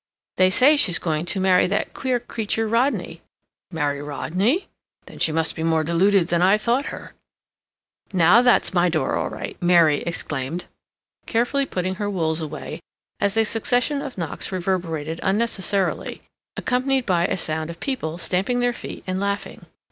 "They say she's going to marry that queer creature Rodney." "Marry Rodney? Then she must be more deluded than I thought her." "Now that's my door, all right," Mary exclaimed, carefully putting her wools away, as a succession of knocks reverberated unnecessarily, accompanied by a sound of people stamping their feet and laughing.